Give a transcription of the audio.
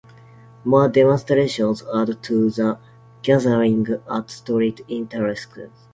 More demonstrators added to the gathering at street intersections.